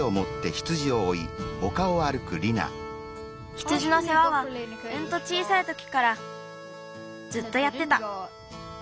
羊のせわはうんと小さいときからずっとやってた。